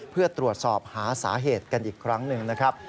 เพื่อตรวจสอบหาสาเหตุกันอีกครั้งหนึ่งนะครับ